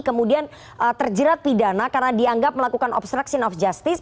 kemudian terjerat pidana karena dianggap melakukan obstruction of justice